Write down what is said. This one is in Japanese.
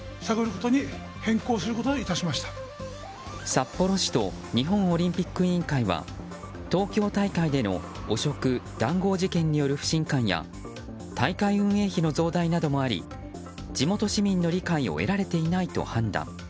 札幌市と日本オリンピック委員会は東京大会での汚職・談合事件による不信感や大会運営費の増大などもあり地元市民の理解を得られていないと判断。